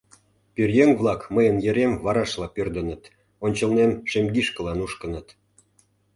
Пӧръеҥ-влак мыйын йырем варашла пӧрдыныт, ончылнем шемгишкыла нушкыныт.